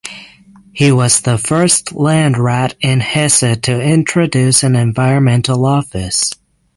He was the first Landrat in Hesse to introduce an environmental office.